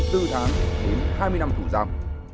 đến hai mươi năm thủ giam